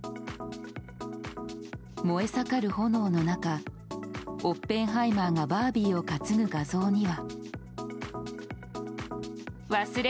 燃え盛る炎の中オッペンハイマーがバービーを担ぐ画像には。